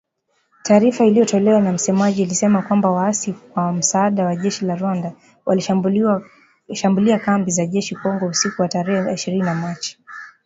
Taarifa iliyotolewa na msemaji ilisema kwamba “waasi, kwa msaada wa jeshi la Rwanda, walishambulia kambi za jeshi Kongo usiku wa tarehe ishirini Machi ".